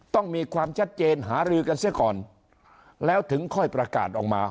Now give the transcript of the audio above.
ต้องมีความชัดเจนหารือกันเสียก่อนแล้วถึงค่อยประกาศออกมา